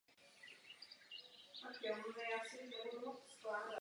To je poselství, o kterém chci hovořit.